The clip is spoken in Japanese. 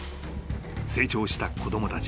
［成長した子供たち］